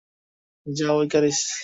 যাও, ইকারিস!